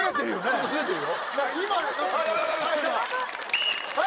ちょっとズレてるよ。